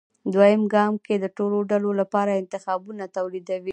دویم ګام کې د ټولو ډلو لپاره انتخابونه توليدوي.